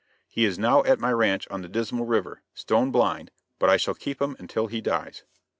He is now at my ranch on the Dismal river, stone blind, but I shall keep him until he dies.